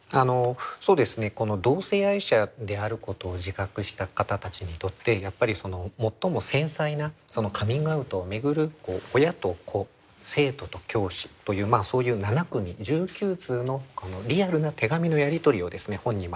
そうですねこの同性愛者であることを自覚した方たちにとってやっぱり最も繊細なカミングアウトを巡る親と子生徒と教師というそういう７組１９通のリアルな手紙のやり取りをですね本に